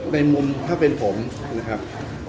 ในมุมถ้าเป็นผมนะครับ